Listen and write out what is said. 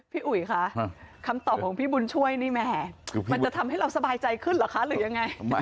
อุ๋ยคะคำตอบของพี่บุญช่วยนี่แหมมันจะทำให้เราสบายใจขึ้นเหรอคะหรือยังไง